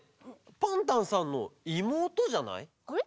パンタンさんのいもうとじゃない？